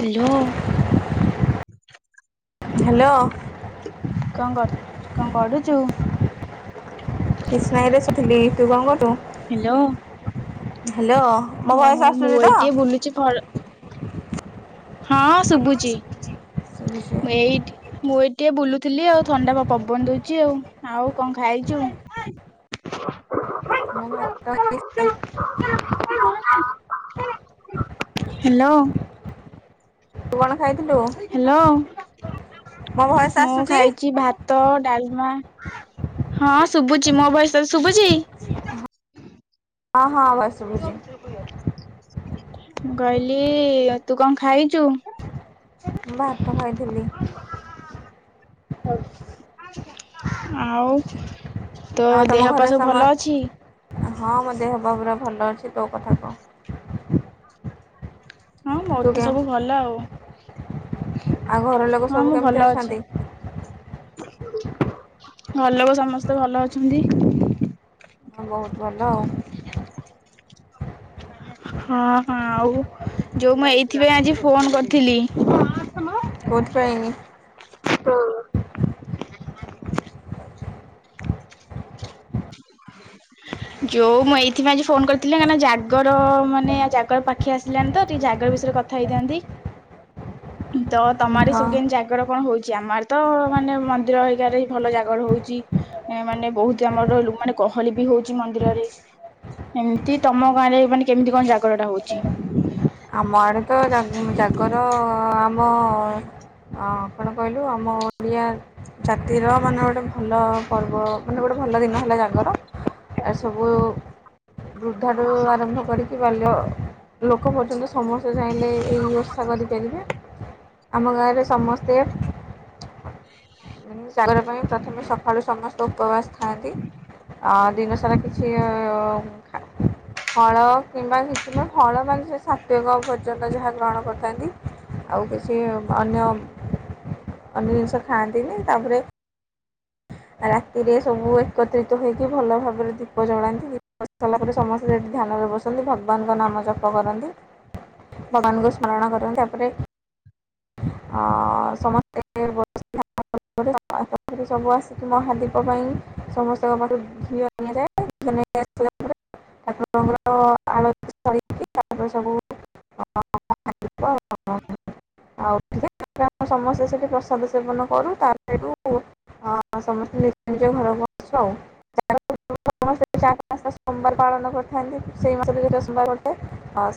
Hello hello କଣ କର କଣ କରୁଚୁ। କିଛି ନାଇଁରେ ଶୋଇଥିଲି ତୁ କଣ କରୁଛୁ? ହ୍ୟାଲୋ ହ୍ୟାଲୋ ମୋ ଓହୋ ଭୟସ ମୁଁ ଆସୁଛି ଏଇ ତ ଟିକେ ବୁଲୁଛି ଫଳ ହଁ ଶୁଭୁଛି ଶୁଭୁଛି। ମୁ ଏଇଠି ମୁଁ ଏ ଟିକେ ବୁଲୁଥିଲି ଆଉ ଥଣ୍ଡା ପବନ ଦଉଛି ଆଉ ଆଉ କଣ ଖାଇଛୁ। ମୁଁ ଭାତ ଡାଲି [unintelligible] ହ୍ୟାଲୋ ତୁ କଣ ଖାଇଥିଲୁ? ହ୍ୟାଲୋ ମୋ ଭଏସ୍ ମୁଁ ଆସୁଛି? ଖାଇଛି ଭାତ ଡାଲମା। ହଁ ଶୁଭୁଛି ମୋ ଭୟସ ଶୁଭୁଛି। ହଁ ହଁ ଭୟେସ ସୁଭୁଛି। ମୁଁ କହିଲି ତୁ କଣ ଖାଇଛୁ। ଭାତ ଖାଇଥିଲି। ଆଉ ତୋ ଆଉ ତମ ଦେହ ଘରେ ପା ସବୁ ସମ ଭଲ ଅଛି। ହଁ ମୋ ଦେହ ପୁରା ଭଲ ଅଛି ତୋ କଥା କହ? [inaudible] ହଁ ମୋ ତୁ କେ ତେ ସବୁ ଭଲ ଆଉ ଆଉ ଘର ଲୋକ ହଁ ସବୁ ମୁଁ କେମିତି ଅଛନ୍ତି। ଭଲ ଯଉ ସମସ୍ତେ ଭଲ ଅଛନ୍ତି। ହଁ ବହୁତ ଭଲ ଆଉ ହଁ ହଁ ଆଉ ଯୋଉ ମୁଁ ଏଇଥିପାଇଁ ଆଜି ଫୋନ କରିଥିଲି। କୋଉଠି ବା ହେଇନି ଯୋଉ ମୁଁ ଏଇଥିପାଇଁ ଆଜି ଫୋନ କରିଥିଲି କାହିଁକି ନା ଜାଗର ମାନେ ଜାଗର ପାଖେ ଆସିଲାାନି ତ ଟିକେ ଜାଗର ବିଷୟରେ କଥା ହେଇଥାନ୍ତି। ହୁଁ ତ ତମଆଡେ ସବୁ ହଁ କେମିତି ଜାଗର କଣ ହଉଛି। ଆମର ତ ମାନେ ମନ୍ଦିର ହେଇଗାରେ ଭଲ ଜାଗର ହଉଛି ମାନେ ବହୁତ ଆମର ମାନେ ଗହଳି ବି ହଉଛି ମନ୍ଦିରରେ ଏମତି ତମ ଗାଁରେ ମାନେ କେମିତି କଣ ଜାଗରଟା ହଉଛି। ଆମ ଆଡେ ତ ଜାଗର ଆମ କଣ କହିଲୁ ଆମ ଓଡ଼ିଆ ଜାତିର ମାନେ ଗୋଟେ ଭଲ ପର୍ବ ମାନେ ଗୋଟେ ଭଲ ଦିନ ହେଲା ଜାଗର ଆ ସବୁ ବୃଦ୍ଧାଆରୁ ଆରମ୍ଭ କରିକି ବାଲ୍ୟ ଲୋକ ବ ସମସ୍ତେ ଚାହିଁଲେ ଏହି ବ୍ୟବସ୍ଥା କରିପାରିବେ ଆମ ଗାଁରେ ସମସ୍ତେ [inaudible] ଜାଗର ପାଇଁ ପ୍ରଥମେ ସକାଳୁ ସମସ୍ତେ ଉପବାସ୍ ଖାନ୍ତି ଆଁ ଦିନ ସାରା କିଛି ଫଳ କିମ୍ବା କିଛି ଫଳ ମାନେ ସାତ୍ୱକ ପର୍ଯ୍ୟନ୍ତ ଯାହା ଗ୍ରହଣ କରିଥାନ୍ତି ଆଉ କିଛି ଅନ୍ୟ ଅନ୍ୟ ଜିନିଷ ଖାଆନ୍ତିନି ତାପରେ ରାତିରେ ସବୁ ଏକତ୍ରିତ ହୋଇକି ଭଲ ଭାବରେ ଦୀପ ଜଳାନ୍ତି ଦୀପ ସାରିଲା ପରେ ସମସ୍ତେ ସେଠି ଧ୍ୟାନରେ ବସନ୍ତି ଭଗବାନଙ୍କ ନାମ ଜପ କରନ୍ତି ଭଗବାନଙ୍କୁ ସ୍ମରଣ କରନ୍ତି ତାପରେ ସମସ୍ତେ ସବୁ ଆସିକି ମହାଦୀପ ପାଇଁ ସମସ୍ତଙ୍କ ପାଠୁ ଘିଅ ନିଆଯାଏ ଘିଅ ନେଇ ଆସିଲା ପରେ ଠାକୁରଙ୍କର ଆଳି ତାପରେ ସବୁ ଆଉ ଆମ ସମସ୍ତେ ସେଠି ପ୍ରସାଦ ସେବନ କରୁ ତା ସେଠୁ ସମସ୍ତେ ନିଜ ନିଜ ଘରକୁ ଆସୁ ଆି ସୋମବାର ପାଳନ କରିଥାନ୍ତି ସେଇ ମାସରେ ସେଟା ସୋମବାର ଅଟେ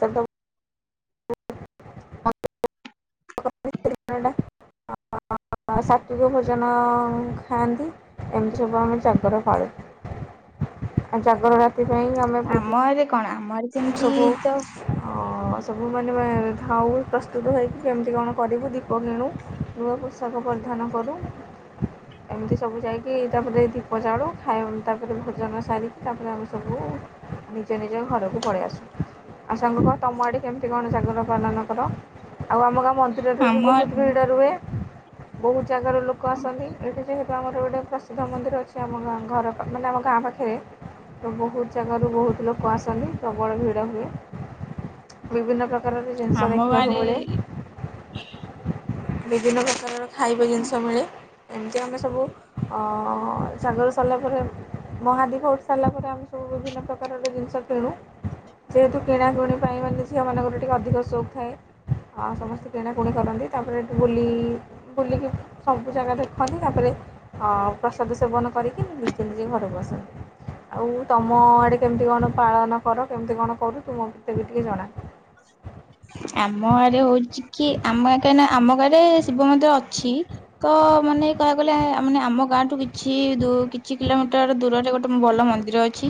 ସେଠା ତ ସେ ସାତ୍ଵିକ ଭୋଜନ ଖାଆନ୍ତି ଏମିତି ସବୁ ଆମେ ଜାଗର ପାଳ ଆଉ ଜାଗରଟା ଆମ ଆରେ କଣ? ଆମର ଯେମିତି ତ ହ ସବୁ ମାନେ ଯାଉ ପ୍ରସ୍ତୁତ ହୋଇକି କେମିତି କଣ କରିବୁ ଦୀପ କିଣୁ ନୂଆ ପୋଷାକ ପରିଧାନ କରୁ ଏମିତି ସବୁ ଯାଇକି ତାପରେ ଦୀପ ଜାଳୁ ଖାଇ ତାପରେ ଭୋଜନ ସାରିକି ତାପରେ ଆମେ ସବୁ ନିଜ ନିଜ ଘରକୁ ପଳେଇ ଆସୁ ଆ ସାଙ୍ଗ କହ ତମ କେମିତି କଣ ଜାଗର ପାନ କର ଆଉ ଆମ ମନ୍ଦିରରେ ବି ଆମ ବହୁତ ଭିଡ଼ ରୁହେ ବହୁତ ଜାଗାରୁ ଲୋକ ଆସନ୍ତି ଏଠି ଯେହେତୁ ଆମର ଗୋଟେ ପ୍ରସିଦ୍ଧ ମନ୍ଦିର ଅଛି ଆମା ଘର ମାନେ ଆମ ଗାଁ ପାଖରେ ବହୁତ ଜାଗାରୁ ବହୁତ ଲୋକ ଆସନ୍ତି। ପ୍ରବଳ ଭିଡ଼ ହୁଏ ବିଭିନ୍ନ ପ୍ରକାର ଜିନିଷ ଆମ ଦେଖିବାକୁ ମିଳେ ଗାଁରେ ବିଭିନ୍ନ ପ୍ରକାରର ଖାଇବା ଜିନିଷ ମିଳେ ଏମିତି ଆମେ ସବୁ ଶାଗର ସାରିଲା ପରେ ମହାଦୀପ ଉଠି ସାରିଲା ପରେ ଆମେ ସବୁ ବିଭିନ୍ନ ପ୍ରକାରର ଜିନିଷ କିଣୁ ଯେହେତୁ କିଣାକିଣି ପାଇଁ ମାନେ ଝିଅମାନଙ୍କର ଟିକିେ ଅଧିକ ସଉଖ ଥାଏ ସମସ୍ତେ କିଣାକଣି କରନ୍ତି ତାପରେଠି ବୁଲି ବୁଲିକି ସବୁ ଜାଗା ଦେଖନ୍ତି ତାପରେ ପ୍ରସାଦ ସେବନ କରିକି ନିଜେ ନିଜେ ଘରକୁ ବସନ୍ତି ଆଉ ତମ ଏଠେ କେମିତି କଣ ପାଳନ କର। ସେମିତି କଣ କରୁତୁ ମୋ ତେବେ ଟିକେ ଜଣା। ଆମ ରେ ଶିବ ମନ୍ଦିର ଅଛି ତ ମାନେ କହିବାକୁ ଗଲେ ମାନେ ଆମ ଗାଁ ଠୁ କିଛି କିଛି କିଲୋମିଟର ଦୂରରେ ଗୋଟେ ଭଲ ମନ୍ଦିର ଅଛି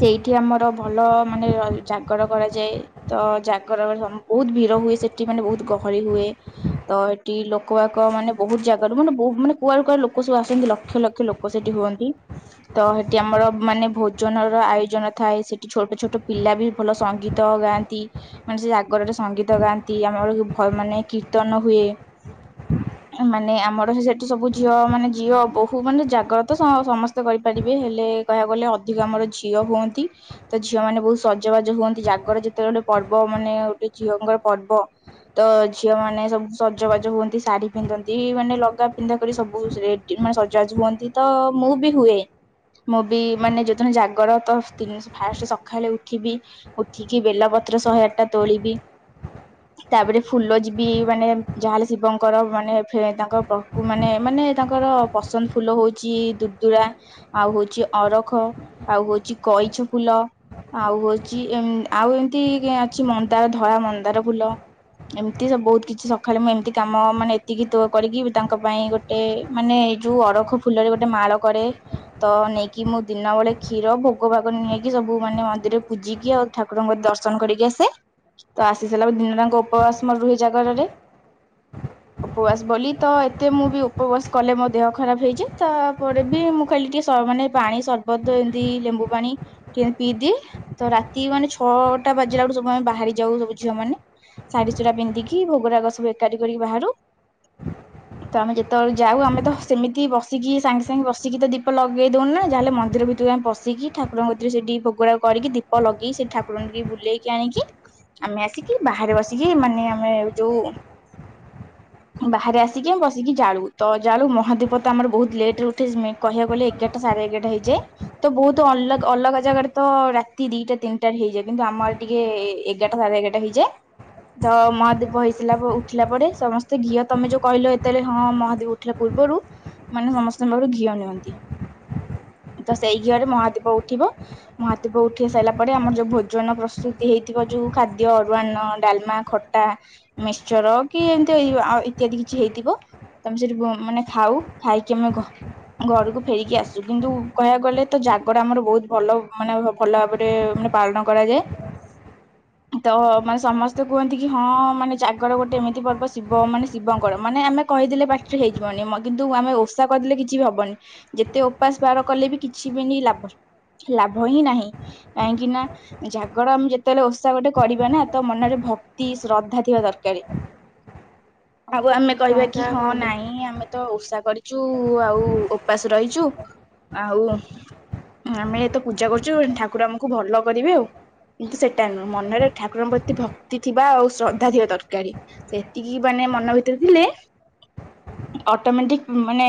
ସେଇଠି ଆମର ଭଲ ମାନେ ଜାଗର କରାଯାଏ। ତ ଜାଗର ବହୁତ ଭିଡ ହୁଏ ସେଠି ମାନେ ବହୁତ ଗହଳି ହୁଏ ତ ସେଠି ଲୋକ ଆକ ମାନେ ବହୁତ ଜାଗାରୁ ମାନେ ବହୁ ମାନେ କୁଆଡୁ କୁଆଡ ଲୋକ ସବୁ ଆସନ୍ତି। ଲକ୍ଷ ଲକ୍ଷ ଲୋକ ସେଠି ହୁଅନ୍ତି ତ ସେଠି ଆମର ମାନେ ଭୋଜନର ଆୟୋଜନ ଥାଏ ସେଠି ଛୋଟ ଛୋଟ ପିଲା ବି ଭଲ ସଙ୍ଗୀତ ଗାନ୍ତି। ମାନେ ସେ ଜାଗରରେ ସଙ୍ଗୀତ ଗାଆନ୍ତି ଆମର ମାନେ କୀର୍ତ୍ତନ ହୁଏ ମାନେ ଆମର ସେଠୁ ସବୁ ଝିଅ ମାନେ ଝିଅ ବହୁ ମାନେ ଜାଗର ତ ସମସ୍ତେ କରିପାରିବେ ହେଲେ କହିବାକୁ ଗଲେ ଅଧିକ ଆମର ଝିଅ ହୁଅନ୍ତି ତ ଝିଅ ମାନେ ବହୁତ ସଜବାଜ ହୁଅନ୍ତି ଜାଗର ଯେ ଗୋଟେ ପର୍ବ ମାନେ ଗୋଟେ ଝିଅଙ୍କର ପର୍ବ ତ ଝିଅ ମାନେ ସବୁ ସଜବାଜ ହୁଅନ୍ତି ଶାଢୀ ପିନ୍ଧନ୍ତି ମାନେ ଲଗା ପିନ୍ଧା କରି ସବୁ ରେ ମାନେ ସଜବାଜ ହୁଅନ୍ତି ତ ମୁଁ ବି ହୁଏ ମୁଁ ବି ମାନେ ଯୋଦିନ ଜାଗର ତି ଫାଷ୍ଟ ସକାଳେ ଉଠିବି ଉଠିକି କି ବେଲପତ୍ର ଶହେ ଆଠଟା ତୋଳିବି ତାପରେ ଫୁଲ ଯିବି ମାନେ ଯା ହେଲେ ଶିବଙ୍କର ମାନେ ତାଙ୍କଖକୁ ମାନେ ମାନେ ତାଙ୍କର ପସନ୍ଦ ଫୁଲ ହଉଛି ଦୁର୍ଦୁରା ଆଉ ହଉଛି ଅରଖ ଆଉ ହଉଛି କଇଛ ଫୁଲ ଆଉ ହଉଛି ଆଉ ଏମିତି ଅଛି ମନ୍ଦାର ଧଳା ମନ୍ଦାର ଫୁଲ ଏମିତି ସବୁ ବହୁତ କିଛି ସକାଳେ ମୁଁ ଏମିତି କାମ ମାନେ ଏତିକି ତୋ କରିକି ତାଙ୍କ ପାଇଁ ଗୋଟେ ମାନେ ଏଇ ଯୋଉ ଅରଖ ଫୁଲରେ ଗୋଟେ ମାଳ କରେ ତ ନେଇକି ମୁଁ ଦିନ ବେଳେ କ୍ଷୀର ଭୋଗ ଭାଗ ନେଇକି ସବୁ ମାନେ ମନ୍ଦିରରେ ପୂଜିକି ଆଉ ଠାକୁରଙ୍କ ଦର୍ଶନ କରିକି ଆସେ ତ ଆସି ସାରିଲା ପରେ ଦିନରାଙ୍କ ଉପବାସ ମୋର ରୁହି ଜାଗରରେ ଉପବାସ ବୋଲି ତ ଏତେ ମୁଁ ବି ଉପବାସ କଲେ ମୋ ଦେହ ଖରାପ ହେଇଛି ତାପରେ ବି ମୁଁ ଖାଲି ଟିକେ ମାନେ ପାଣି ସରବତ ଏମିତି ଲେମ୍ବୁ ପାଣି ପିଇଦିଏ ତ ରା ମାନେ ଛଅଟା ବାଜିଲା ବେଳୁ ସବୁ ଆମେ ବାହାରି ଯାଉ ସବୁ ଝିଅ ମାନ ଶାଢୀ ସୁରା ପିନ୍ଧିକି ଭୋଗୁରାଗ ସବୁ ଏକାଠି କରିକି ବାହାରୁ ତ ଆମେ ଯେତେବେଳଳେ ଯାଉ ଆମେ ତ ସେମିତି ବସିକି ସାଙ୍ଗେ ସାଙ୍ଗେ ବସିକି ତ ଦୀପ ଲଗେଇ ଦଉନୁ ନା ଯାହାେଲେ ମନ୍ଦିର ଭିତକୁ ଆମେ ବସିକି ଠାକୁରଙ୍କ ଭିତରେ ସେଠି ଭୋଗରାଗ କରିକି ଦୀପ ଲଗେଇ ସେ ଠାକୁରଣୀ ବୁଲେଇକି ଆଣିକି ଆମେ ଆସିକି ବାହାରେ ବସିକି ମାନେ ଆମେ ଯୋଉ ବାହାରେ ଆସିକି ବସିକି ଜାଳୁ ତ ଜାଳୁ ମହାଦୀପ ତ ଆମର ବହୁତ ଲେଟରେ ଉଠେ କହିବାକୁ ଗଲେ। ଏଗାରଟା ସାଢେ ଏଗାରଟା ହେଇଯାଏ ତ ବହୁତ ଅଲଗା ଅଲଗା ଜାଗାରେ ତ ଦିଟା ତିନିଟାରେ ହେଇଯାଏ କିନ୍ତୁ ଆମର ଟିକେ ଏଗାରଟା ସାଢେ ଏଗାରଟା ହେଇଯାଏ ତ ମହାଦୀପ ହେଇସାରିଲା ଉଠିଲା ପରେ ସମସ୍ତେ ଘିଅ ତମେ ଯୋଉ କହିଲ ଏତେବେଳେ ହଁ ମହାଦୀପ ଉଠିଲା ପୂର୍ବରୁ ମାନେ ସମସ୍ତଙ୍କ ପାଖରୁ ଘିଅ ନିଅନ୍ତି ତ ସେଇ ଘିଅରେ ମହାଦୀପ ଉଠିବ ମହାଦୀପ ଉଠି ସାରିଲା ପରେ ଆମର ଯୋଉ ଭୋଜନ ପ୍ରସ୍ତୁତି ହେଇଥିବ ଯୋଉ ଖାଦ୍ୟ ଅରୁଆଣ ଡାଲମା ଖଟା ମିକସର କି ଏମିତି ଇତ୍ୟାଦି କିଛି ହେଇଥିବ। ତ ଆମେ ସେଠି ମାନେ ଖାଉ ଖାଇକି ଆମେ ଘରକୁ ଫେରିକି ଆସୁ କିନ୍ତୁ କହିବାକୁ ଗଲେ ତ ଜାଗର ଆମର ବହୁତ ଭଲ ମାନେ ଭଲ ଭାବରେ ମାନେ ପାଳନ କରାଯାଏ ତ ମାନେ ସମସ୍ତେ କୁହନ୍ତି କି ହଁ ମାନେ ଜାଗର ଗୋଟେ ଏମିତି ପର୍ବ ଶିବ ମାନେ ଶିବଙ୍କର ମାନେ ଆମେ କହିଦେଲେ ପାଟିରେ ହେଇଯିବନି କିନ୍ତୁ ଆମେ ଓଷା କରିଦେଲେ କିଛି ବି ହବନି ଯେତେ ଉପାସ ବାର କଲେ ବି କିଛି ବିନି ଲାଭ ଲାଭ ହିଁ ନାହିଁ। କାହିଁକି ନା ଜାଗର ଆମେ ଯେତେବେଳେ ଓଷା ଗୋଟେ କରିବାନା ତ ମନରେ ଭକ୍ତି ଶ୍ରଦ୍ଧା ଥିବା ଦରକାର। ଆଉ ଆମେ ନିଶ୍ଚୟ କହିବା କି ନିଶ୍ଚୟ ହଁ କହିଲୁ ନାଇଁ ଆମେ ତ ଉଷା କରିଛୁ ଆଉ ଉପାସ ରହିଛୁ ଆଉ ଆମେ ଏ ତ ପୂଜା କରୁଛୁ ଠାକୁ ଠାକୁର ଆମକୁ ଭଲ କରିବେ ଆଉ କିନ୍ତୁ ସେଟା ନୁହଁ ମନରେ ଠାକୁରଙ୍କ ପ୍ରତି ଭକ୍ତି ଥିବା ଆଉ ଶ୍ରଦ୍ଧା ଥିବା ଦରକାରୀ ସେତିକି ମାନେ ମନ ଭିତରେ ଥିଲେ ଅଟୋମେଟିକ ମାନେ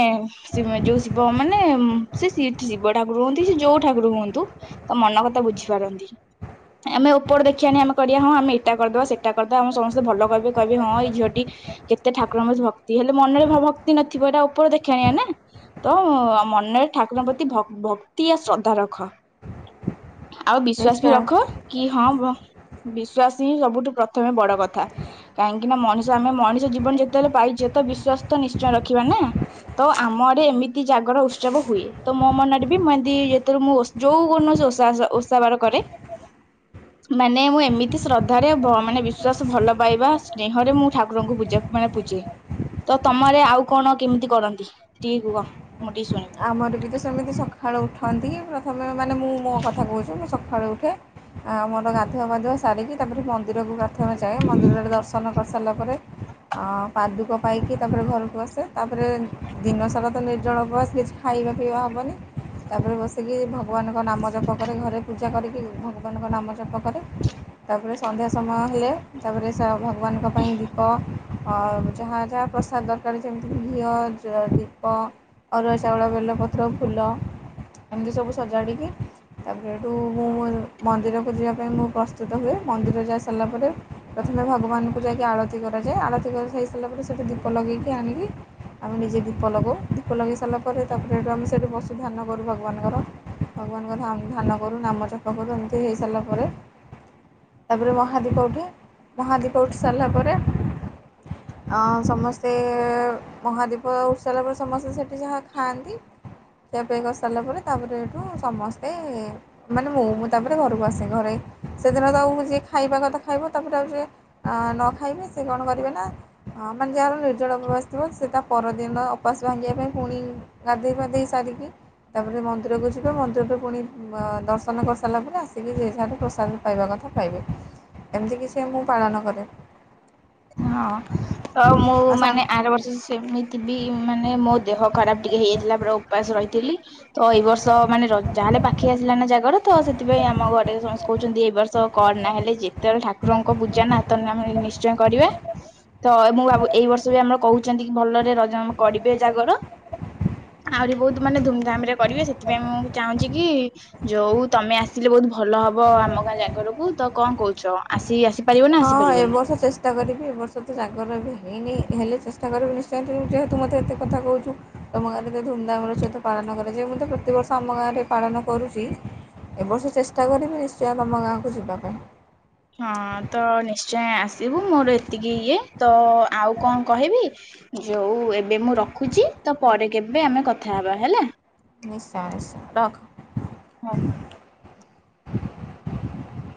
ଯୋଉ ଶିବ ମାନେ ଶିବ ଠାକୁର ହୁଅନ୍ତି ସେ ଯୋଉ ଠାକୁର ହୁଅନ୍ତୁ ତ ମନ କଥା ବୁଝିପାରନ୍ତି ଆମେ ଉପର ଦେଖିଆଣି ଆମେ କହିଆ ହଁ ଆମେ ଏଇଟା କରିଦବା ସେଟା କରିଦବା ଆମେ ସମସ୍ତେ ଭଲ କହିବେ କହିବେ ହଁ ଏଇ ଝିଅଟି କେତେ ଠାକୁରଙ୍କ ପ୍ରତି ଭକ୍ତି ହେଲେ ମନରେ ଭକ୍ତି ନଥିବ ଏଇଟା ଉପର ଦେଖିଆଣିଆ ନା ତ ମନରେ ଠାକୁରଙ୍କ ପ୍ରତି ଭକ୍ତି ଆ ଶ୍ରଦ୍ଧା ରଖ। ଆଉ ବିଶ୍ଵାସ ବି ନିଶ୍ଚୟ ରଖ କି ହଁ ବିଶ୍ଵାସ ହିଁ ସବୁଠୁ ପ୍ରଥମେ ବଡ କଥା କାହିଁକି ନା ମଣିଷ ଆମେ ମଣିଷ ଜୀବନ ଯେତେବେଳେ ପାଇଛେ ତ ବିଶ୍ୱାସ ତ ନିଶ୍ଚୟ ରଖିବା ନା ତ ଆଡ଼େ ଏମିତି ଜାଗର ଉତ୍ସବ ହୁଏ ତ ମୋ ମନରେ ବି ମୁ ଏମତି ଯେତେବେଳେ ମୁଁ ଓଷା ଯୋଉ କୌଣସି ଓଷା ଓଷାବାର କରେ ମାନେ ମୁଁ ଏମିତି ଶ୍ରଦ୍ଧାରେ ମାନେ ବିଶ୍ୱାସ ଭଲ ପାଇବାରେ ସ୍ନେହରେ ମୁଁ ଠାକୁରଙ୍କୁ ମାନେ ପୂଜେ ତ ତମରେ ଆଡ଼େ ଆଉ କଣ କେମିତି କରନ୍ତି ଟିକେ କୁହ। ମୁଁ ଟିକେ ଶୁଣିବି। ଆମର ବି ତ ସେମିତି ସକାଳୁ ଉଠୁ ଉଠନ୍ତି ତମେ ମାନେ ମୁଁ ମୋ କଥା କହୁଛି। ସକାଳୁ ଉଠେ ଆ ମୋର ଗାଧୁଆ ପାଧୁଆ ସାରିକି ତାପରେ ମନ୍ଦିରକୁ ପ୍ରାର୍ଥ ଯାଏ ମନ୍ଦିରରେ ଦର୍ଶନ କରେ ସାରିଲା ପରେ ପାଦୁକ ପାଇକି ତାପରେ ଘରକୁ ଆସେ ତାପରେ ଦିନସାରା ତ ନିର୍ଜଳ ଉପବାସ କିଛି ଖାଇବା ପିଇବା ହେବନି ତାପରେ ବସିକି ଭଗବାନଙ୍କ ନାମ ଜପ କରେ ଘରେ ପୂଜା କରିକି ଭଗବାନଙ୍କ ନାମ ଜପ କରେ ତାପରେ ସନ୍ଧ୍ୟା ସମୟ ହେଲେ ତାପରେ ଭଗବାନଙ୍କ ପାଇଁ ଦୀପ ଆ ଯାହା ଯାହା ପ୍ରସାଦ ଦରକାର ଯେମିତି ଘିଅ ଦୀପ ଅରୁଆ ଚାଉଳ ବେଲପତ୍ର ଫୁଲ ଏମିତି ସବୁ ସଜାଡ଼ିକି ତାପରେ ସେଠୁ ମୁଁ ମନ୍ଦିରକୁ ଯିବା ପାଇଁ ମୁଁ ପ୍ରସ୍ତୁତ ହୁଏ ମନ୍ଦିର ଯାଇସାରିଲା ପରେ ପ୍ରଥମେ ଭଗବାନଙ୍କୁ ଯାଇକି ଆଳତି କରାଯାଏ ଆଳତି କରିସାରି ସାରିଲା ପରେ ସେଇଠି ଦୀପ ଲଗେଇକି ଆଣିକି ଆମେ ନିଜେ ଦୀପ ଲଗାଉ ଦୀପ ଲଗେଇ ସାରିଲା ପରେ ତାପରେଠୁ ଆମେ ସେଠି ବଶୁ ଧାନ କରୁ ଭଗବାନଙ୍କର ଭଗବାନଙ୍କର ଧାନ କରୁ ନାମ ଜପ କରୁ ଏମିତି ହେଇସାରିଲା ପରେ ତାପରେ ମହାଦୀପ ଉଠେ ମହାଦୀପ ଉଠି ସାରିଲା ପରେ ସମସ୍ତେ ମହାଦୀପ ଉଠିସାରିଲା ପରେ ସମସ୍ତେ ସେଠି ଯାହା ଖାଆନ୍ତି ଖିଆ ପିଆ କରିସାରିଲା ପରେ ତାପରେ ଏଠୁ ସମସ୍ତେ ମାନେ ମୁଁ ମୁଁ ତାପରେ ଘରକୁ ଆସେ ଘରେ ସେଦିନ ତଉ ଯିଏ ଖାଇବା କଥା ଖାଇବ ତାପରେ ଆଉ ଯ ନ ଖାଇବେ ସେ କଣ କରିବେ ନା ମାନେ ଯାହାର ନିର୍ଜଳ ଉପସ ଥିବ ସେ ତା ପରଦିନ ଅପାସ ଭାଙ୍ଗିବା ପାଇଁ ପୁଣି ଗାଧୋଇ ପାାଧୋଇ ସାରିକି ତାପରେ ମନ୍ଦିରକୁ ଯିବେ ମନ୍ଦିରକୁ ପୁଣି ଦର୍ଶନ କରିସାରିଲା ପରେ ଆସିକି ସେଠାରେ ପ୍ରସାଦ ପାଇବା କଥା ପାଇବେ ଏମିତି କିଛି ମୁଁ ପାଳନ କରେ। ହଁ ତ ମୁଁ ଆଉ ସାଙ୍ଗ ମାନେ ଆର ବର୍ଷ ସେମିତି ବି ମାନେ ମୋ ଦେହ ଖରାପ ଟିକେ ହେଇଯାଇଥିଲା ପୁରା ଉପାସ ରହିଥିଲି। ତ ଏଇ ବର୍ଷ ମାନେ ଯାହେଲେ ପାଖି ଆସିଲା ନା ଜାଗ ର ତ ସେଥିପାଇଁ ଆମ ଘରେ ସମସ୍ତେ କହୁଛନ୍ତି ଏ ବର୍ଷ କର ନା ହେଲେ ଯେତେବେଳେ ଠାକୁରଙ୍କ ପୂଜା ନା ସେତେଳେ ଆମେ ନି କରିବା ତ ମୁଁ ଭାବୁଛି ଏଇ ବର୍ଷ ବି ଆମର କହୁଛନ୍ତି କି ଭଲରେ ରଜ କରିବେ ଜାଗର ଆହୁରି ବହୁତ ମାନେ ଧୁମଧାମ ରେ କରିବେ ସେଥିପାଇଁ ମୁଁ ଚାହୁଁଛି କି ଯୋଉ ତମେ ଆସିଲେ ବହୁତ ଭଲ ହବ ଆମ ଗାଁ ଜାଗରକୁ ତ କଣ କହୁଛ ଆସିକି ଆସ ପାରିବ ନା ହଁ ଏ ଆସିପାରିବନି। ବର୍ଷ ଚେଷ୍ଟା କରିବି ଏ ବର୍ଷ ତ ଜାଗର ବି ହେଇନି ହେଲେ ଚେଷ୍ଟା କରିବି ନିଶ୍ଚୟ ଯେହେୁ ମୋତେ ଏତେ କଥା କହୁଛୁ ତୁମ ଗାଁରେ ଏତେ ଧୁମଧାମର ସହିତ ପାଳନ କରାଯରେ ଯଯାଏ ମୁଁ ତ ପ୍ରତିବର୍ଷ ଆମ ଗାଁରେ ପାଳନ କରୁଛି ଏ ବର୍ଷ ଚେଷ୍ଟା କରିବି ନିଶ୍ଚୟ ତମ ଗାଁକୁ ଯିବା କୁ ହଁ ତ ନିଶ୍ଚୟ [unintelligible] ଆସିବୁ ମୋର ଏତିକି ଇଏ ତ ଆଉ କଣ କହିବି ଯୋଉ ଏବେ ମୁଁ ରଖୁଛି ତ ପରେ କେବେ ଆମେ କଥା ହେବା ହେଲା। ନିଶ୍ଚୟ ନିଶ୍ଚୟ ରଖ ହଁ। [inaudible]